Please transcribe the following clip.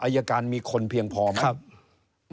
อัยการมีคนเพียงพอมั้ง